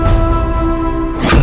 ibu bunda disini nak